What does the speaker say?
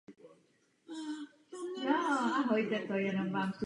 V areálu zámku a kostela se nachází sbírka exotických rostlin a dřevin.